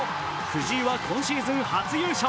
藤井は今シーズン初優勝。